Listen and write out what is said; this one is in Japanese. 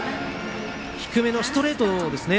低めのストレートですね。